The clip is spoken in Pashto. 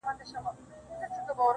o دا ستا د حسن د اختر پر تندي.